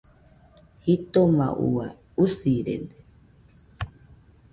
Jitoma ua, usirede.